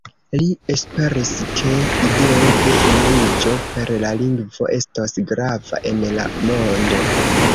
Li esperis, ke ideo de unuiĝo per la lingvo estos grava en la mondo.